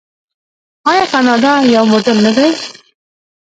آیا کاناډا یو موډل نه دی؟